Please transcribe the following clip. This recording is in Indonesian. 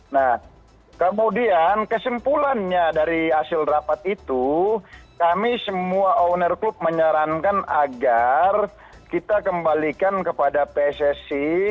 nah kemudian kesimpulannya dari hasil rapat itu kami semua owner klub menyarankan agar kita kembalikan kepada pssi